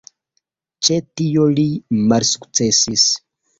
Ĉe tio li malsukcesis.